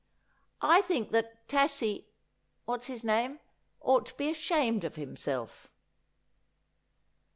I think that Taci what's his name ought to be ashamed of himself.'